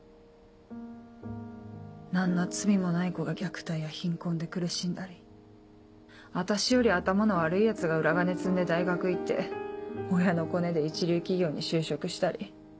何の罪もない子が虐待や貧困で苦しんだり私より頭の悪いヤツが裏金積んで大学行って親のコネで一流企業に就職したり。